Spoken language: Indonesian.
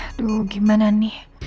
aduh gimana nih